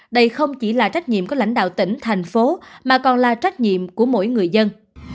đây không chỉ là trách nhiệm của lãnh đạo tỉnh thành phố mà còn là trách nhiệm của mỗi người dân